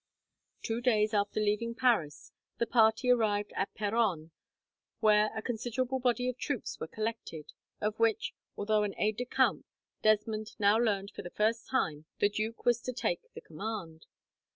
Two days after leaving Paris, the party arrived at Peronne, where a considerable body of troops were collected, of which, although an aide de camp, Desmond now learned for the first time the duke was to take the command.